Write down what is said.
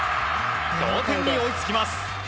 同点に追いつきます。